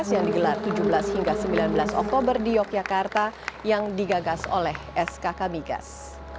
yang digelar tujuh belas hingga sembilan belas oktober di yogyakarta yang digagas oleh skk migas